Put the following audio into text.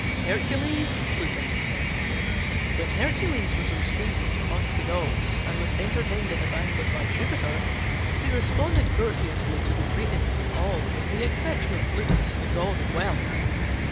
HERCULES AND PLUTUS When Hercules was received among the gods and was entertained at a banquet by Jupiter, he responded courteously to the greetings of all with the exception of Plutus, the god of wealth.